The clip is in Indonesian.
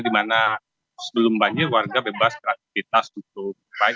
di mana sebelum banjir warga bebas beraktivitas cukup baik